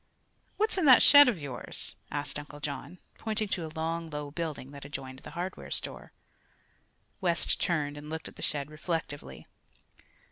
"What's in that shed of yours?" asked Uncle John, pointing to a long, low building' that adjoined the hardware store. West turned and looked at the shed reflectively.